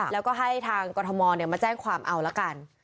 แล้วก็ให้ทางกรทมมาแจ้งความเอาละกัน